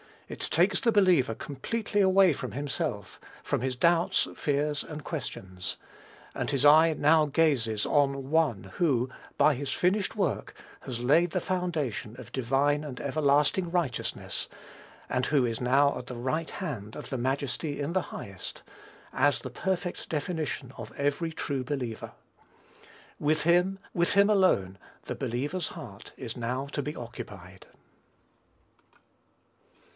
It takes the believer completely away from himself, from his doubts, fears, and questions. And his eye now gazes on ONE who, by his finished work, has laid the foundation of divine and everlasting righteousness, and who is now at the right hand of the Majesty in the highest, as the perfect definition of every true believer. With him, with him alone, the believer's heart is now to be occupied.